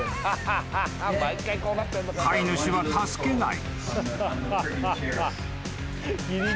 ［飼い主は助けない］